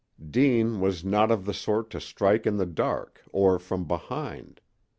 Deane was not of the sort to strike in the dark or from behind.